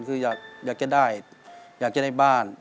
คืออยากจะได้อยากจะได้บ้าน